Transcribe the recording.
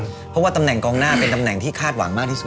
เพราะว่าตำแหน่งกองหน้าเป็นตำแหน่งที่คาดหวังมากที่สุด